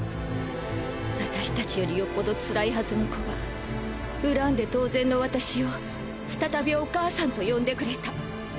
私達よりよっぽどつらいハズの子が恨んで当然の私を再びお母さんと呼んでくれた。